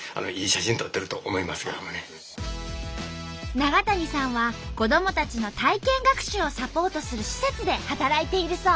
ナガタニさんは子どもたちの体験学習をサポートする施設で働いているそう。